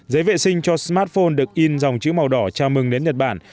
giấy vệ sinh cho smartphone được in dòng chữ màu đỏ chào mừng đến nhật bản